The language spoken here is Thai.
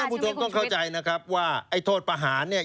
ผู้ชมต้องเข้าใจนะครับว่าไอ้โทษประหารเนี่ย